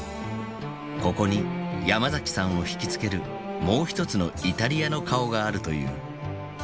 ここにヤマザキさんをひきつけるもう一つのイタリアの顔があるという。